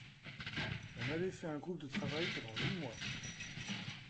On avait fait un groupe de travail pendant huit mois.